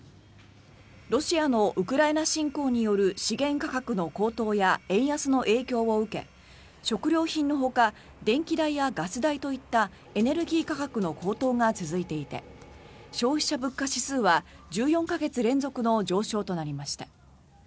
ロシアのウクライナ侵攻による資源価格の高騰や円安の影響を受け食料品のほか電気代やガス代といったエネルギー価格の高騰が続いていて消費者物価指数は１４か月連続の上昇となりました。